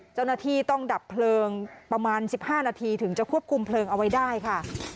เจ้าหน้าที่ต้องดับเพลิงประมาณ๑๕นาทีถึงจะควบคุมเพลิงเอาไว้ได้ค่ะ